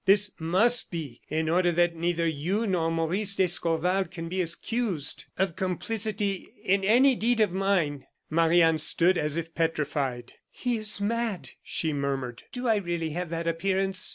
This must be, in order that neither you nor Maurice d'Escorval can be accused of complicity in any deed of mine." Marie Anne stood as if petrified. "He is mad!" she murmured. "Do I really have that appearance?"